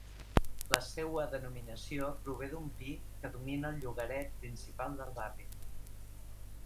La seua denominació prové d'un pi que domina al llogaret principal del barri.